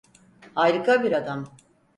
Harika bir adam.